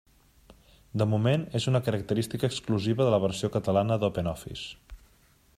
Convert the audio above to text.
De moment, és una característica exclusiva de la versió catalana d'OpenOffice.